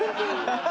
ハハハ！